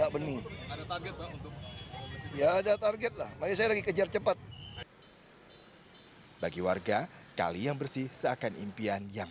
senang sekali lah gak kotor airnya bersih sekarang